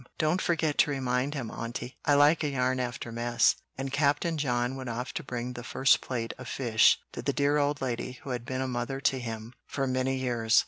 "Don't forget to remind him, Aunty. I like a yarn after mess;" and Captain John went off to bring the first plate of fish to the dear old lady who had been a mother to him for many years.